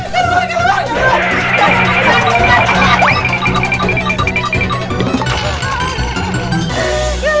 keluar keluar keluar